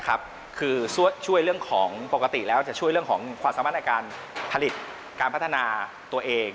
ก็คือปกติแล้วจะช่วยเรื่องของความสามารถในการผลิตการพัฒนาตัวเอง